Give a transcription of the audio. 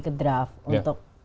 ke draft untuk